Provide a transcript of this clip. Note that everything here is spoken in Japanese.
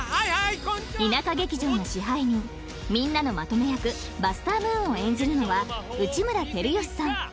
［田舎劇場の支配人みんなのまとめ役バスター・ムーンを演じるのは内村光良さん］